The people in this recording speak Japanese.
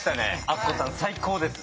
あっこさん最高です。